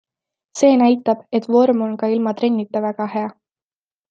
See näitab, et vorm on ka ilma trennita väga hea.